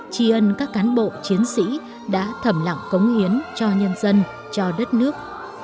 tri ân các cán bộ chiến sĩ đã thẩm lặng cống hiến cho nhân dân cho đất nước